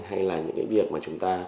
hay là những việc mà chúng ta